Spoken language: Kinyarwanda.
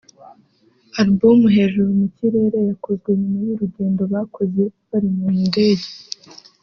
Alubumu “Hejuru mu kirere” yakozwe nyuma y’urugendo bakoze bari mu ndege